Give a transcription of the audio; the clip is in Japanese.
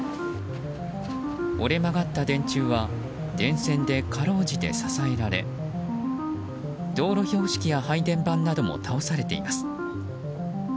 折れ曲がった電柱は電線で辛うじて支えられ道路標識や配電盤なども倒されています。